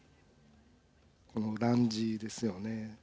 このランジですよね。